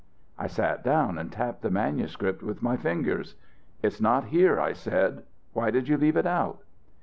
I sat down and tapped the manuscript with my fingers. "It's not here," I said. "Why did you leave it out?"